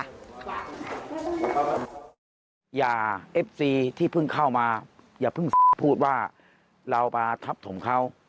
อย่าเอฟซีที่เพิ่งเข้ามาอย่าเพิ่งพูดว่าเรามาทับถมเขา